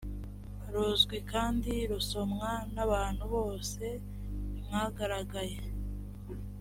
ruzwi kandi rusomwa n abantu bose m mwagaragaye